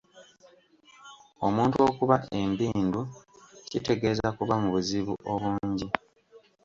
Omuntu okuba empindu kitegeeza kuba mu buzibu obungi.